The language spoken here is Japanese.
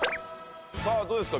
さあどうですか？